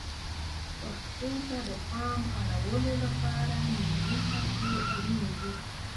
پښتو ته د پام اړولو لپاره ملي هڅې اړینې دي.